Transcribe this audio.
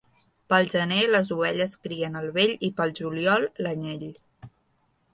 Pel gener les ovelles crien el vell i pel juliol l'anyell.